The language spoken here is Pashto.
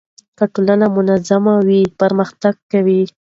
که ټولنه منظمه وي پرمختګ کوي.